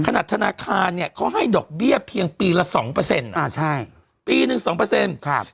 ธนาคารเนี่ยเขาให้ดอกเบี้ยเพียงปีละสองเปอร์เซ็นต์อ่าใช่ปีหนึ่งสองเปอร์เซ็นต์ครับ